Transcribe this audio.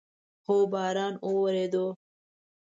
هو، باران اوورېدو